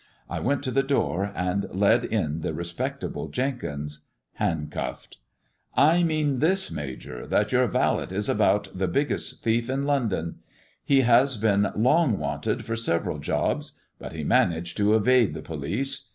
I went to the door and led in the respectable Jenkins — handcuffed. " I mean this, Major, that your valet is about the biggest thief in London. He has been long wanted for several jobs, but he managed to evade the police.